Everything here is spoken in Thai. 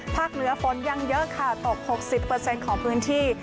เหนือฝนยังเยอะค่ะตก๖๐ของพื้นที่